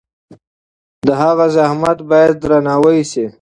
د هغه زحمت باید درناوی شي.